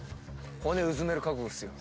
骨うずめる覚悟っすよ。